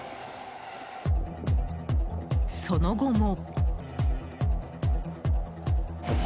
その後も。